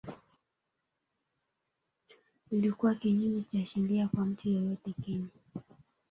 ilikuwa kinyume cha sheria kwa mtu yeyote Kenya